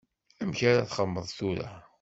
Amek ara txedmeḍ tura?